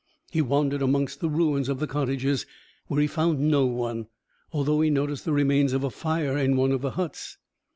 He wandered amongst the ruins of the cottages, where he found no one, although he noticed the remains of a fire in one of the huts.